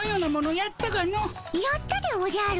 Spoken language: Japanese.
やったでおじゃる。